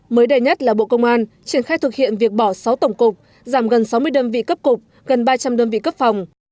mới đây nhất là bộ công an triển khai thực hiện việc bỏ sáu tổng cục giảm gần sáu mươi đơn vị cấp cục gần ba trăm linh đơn vị cấp phòng